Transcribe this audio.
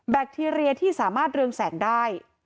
คทีเรียที่สามารถเรืองแสงได้